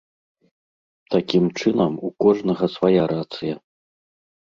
Такім чынам, у кожнага свая рацыя.